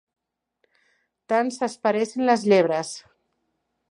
Tant s'esperessin les llebres!